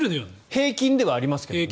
平均ではありますけどね。